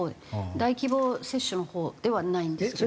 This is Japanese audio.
大規模接種のほうではないんですけど。